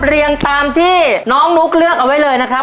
เรียงตามที่น้องนุ๊กเลือกเอาไว้เลยนะครับ